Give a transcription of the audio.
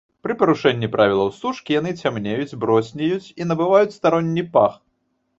Пры парушэнні правілаў сушкі яны цямнеюць, броснеюць і набываюць старонні пах.